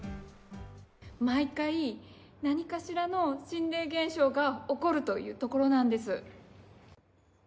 毎回何かしらの心霊現象が起こるという所なんです。